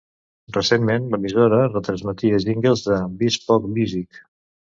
Recentment l'emissora retransmetia jingles de Bespoke Music.